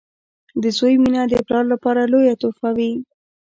• د زوی مینه د پلار لپاره لویه تحفه وي.